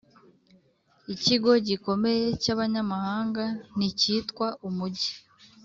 Ikigo gikomeye cy’abanyamahanga ntikitwa umugi,